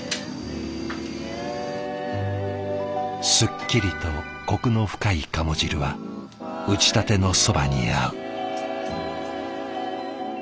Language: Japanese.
すっきりとコクの深い鴨汁は打ちたてのそばに合う。